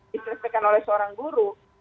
diselesaikan oleh seorang guru